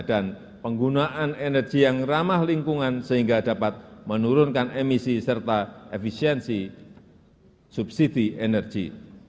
penggunaan energi yang ramah lingkungan sehingga dapat menurunkan emisi serta efisiensi subsidi energi